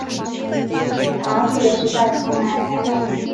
这房子也是贷款买来的